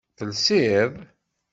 Telsiḍ?